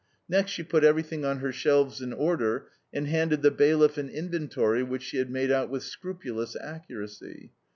Next she put everything on her shelves in order and handed the bailiff an inventory which she had made out with scrupulous accuracy.